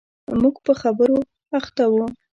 موږ په خبرو اخته و.